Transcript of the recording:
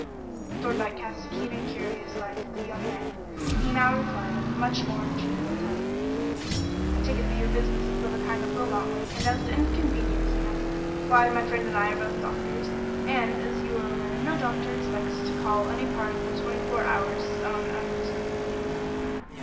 Thorndyke had cast a keen and curious glance at the young man, and he now replied in a much more genial tone "I take it that your business is of a kind that will not wait, and as to inconveniencing us, why, my friend and I are both doctors, and, as you are aware, no doctor expects to call any part of the twenty four hours his own unreservedly."